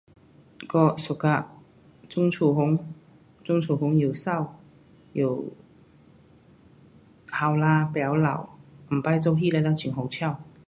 我 suka 锺楚红，锺楚红又美，又年轻，不会老。每次做戏全部很好笑。